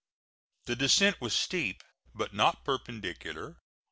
The descent was steep but not perpendicular.